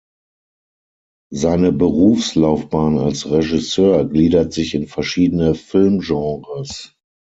Seine Berufslaufbahn als Regisseur gliedert sich in verschiedene Filmgenres.